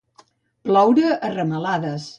Ploure a ramalades.